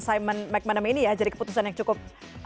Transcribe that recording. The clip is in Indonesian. simon mcmanamy ini ya jadi keputusan yang cukup